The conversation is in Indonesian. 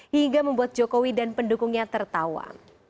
hingga membuat jokowi dan pendukungnya tertawa